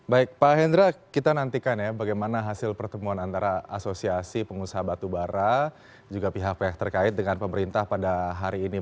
baik pak hendra kita nantikan ya bagaimana hasil pertemuan antara asosiasi pengusaha batubara juga pihak pihak terkait dengan pemerintah pada hari ini